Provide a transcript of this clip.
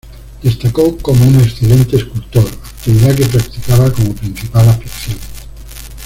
Destacó como un excelente escultor, actividad que practicaba como principal afición.